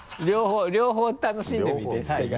両方楽しんでみて捨て方。